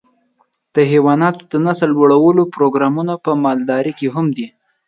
د حيواناتو د نسل لوړولو پروګرامونه په مالدارۍ کې مهم دي.